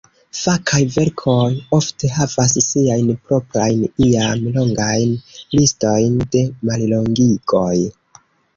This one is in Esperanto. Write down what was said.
Fakaj verkoj ofte havas siajn proprajn, iam longajn, listojn de mallongigoj.